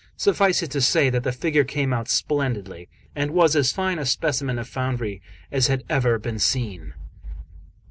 Suffice it to say, that the figure came out splendidly, and was as fine a specimen of foundry as had ever been seen.